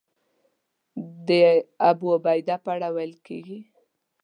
د ابوعبیده په اړه ویل کېږي.